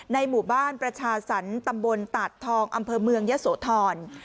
หมู่บ้านประชาสรรตำบลตาดทองอำเภอเมืองยะโสธร